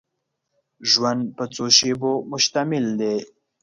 ژوند په څو شېبو مشتمل دی.